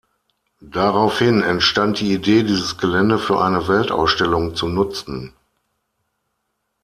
Daraufhin entstand die Idee, dieses Gelände für eine Weltausstellung zu nutzen.